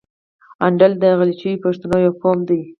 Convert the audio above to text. اندړ د غلجیو پښتنو یو قوم ده.